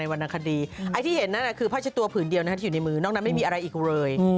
ไอ้ที่เห็นนั่นคือผ้าชะตัวผึนเดียวจะอยู่ในมือน้องนางไม่มีอะไรอีกเลย